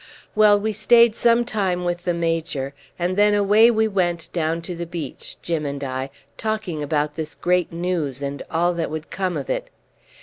Well, we stayed some time with the Major, and then away we went down to the beach, Jim and I, talking about this great news, and all that would come of it.